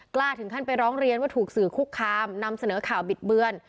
กล้าถึงขั้นไปร้องเรียนว่าถูกสื่อคุกคามนำเสนอข่าวบิดเบือน